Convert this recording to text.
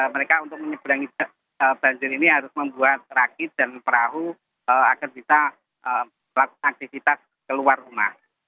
mereka untuk menyeberangi banjir ini harus membuat rakit dan perahu agar bisa melakukan aktivitas keluar rumah